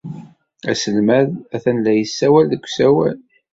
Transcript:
Aselmad atan la yessawal deg usawal.